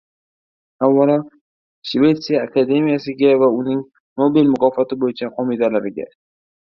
Avvalo, Shvetsiya akademiyasiga va uning Nobel mukofoti bo‘yicha qo‘mitalariga